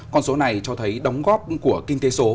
con số này cho thấy đóng góp của kinh tế số